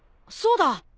そうだ！